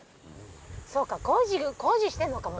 そうか工事してんのかもどっかでね。